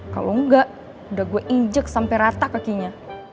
kalo enggak udah gue injek sampe rata kakinya